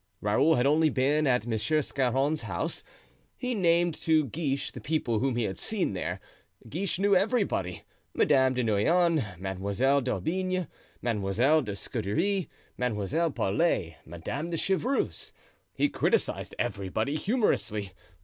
Raoul had only been at M. Scarron's house; he named to Guiche the people whom he had seen there. Guiche knew everybody—Madame de Neuillan, Mademoiselle d'Aubigne, Mademoiselle de Scudery, Mademoiselle Paulet, Madame de Chevreuse. He criticised everybody humorously.